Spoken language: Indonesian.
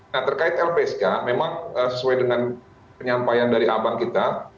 nah terkait lpsk memang sesuai dengan penyampaian dari abang kita